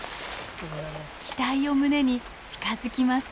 期待を胸に近づきます。